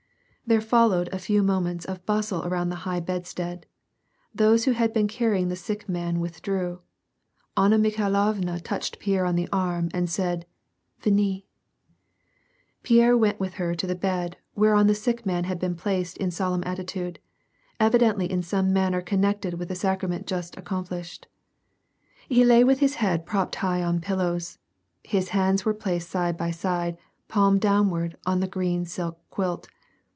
There followed a few moments of bustle around the high bedstead; those who had been carrying the sick man with drew. Anna Mihailovna touched Pierre on the arm and said, " Venez,'' Pierre went with her to the bed whereon the sick man had been placed in solemn attitude, evidently in some manner connected with the sacrament just accomplished. He lay with his head propped high on pillows. His hands were placed side by side, palm downward, on the green silk quilt.